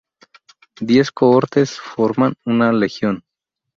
Diez cohortes formaban una legión.